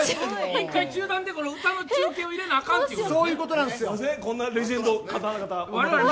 １回、中断で歌の中継を入れなきゃあかんということ。